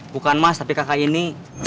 bukan mas tapi kakak ini